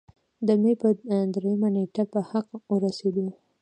د مۍ پۀ دريمه نېټه پۀ حق اورسېدو